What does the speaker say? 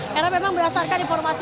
karena memang berdasarkan informasi